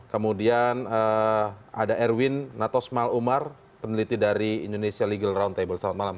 kemudian ada erwin natosmal umar peneliti dari indonesia legal round table selamat malam